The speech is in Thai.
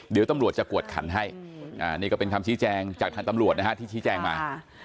เดี๋ยวตำรวจจะกวดขันให้นี่ก็เป็นคำชี้แจงจากทางตำรวจนะฮะที่ชี้แจงมา